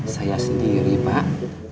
saya sendiri pak